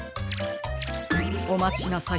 おまちなさい。